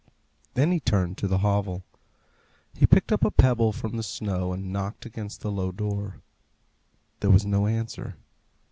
Then he turned to the hovel. He picked up a pebble from the snow, and knocked against the low door. There was no answer.